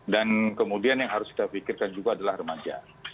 dan kemudian yang harus kita pikirkan juga adalah remaja